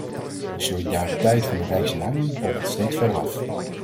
De solidariteit van de rijkste landen brokkelt steeds verder af.